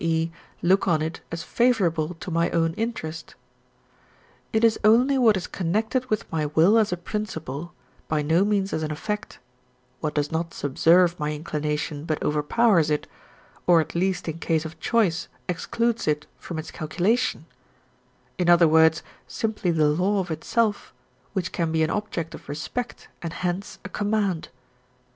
e., look on it as favourable to my own interest. It is only what is connected with my will as a principle, by no means as an effect what does not subserve my inclination, but overpowers it, or at least in case of choice excludes it from its calculation in other words, simply the law of itself, which can be an object of respect, and hence a command.